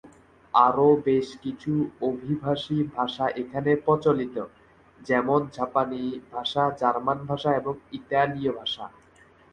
আরও বেশ কিছু অভিবাসী ভাষা এখানে প্রচলিত, যেমন জাপানি ভাষা, জার্মান ভাষা এবং ইতালীয় ভাষা।